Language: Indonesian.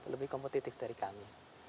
lebih kompetitif dari kami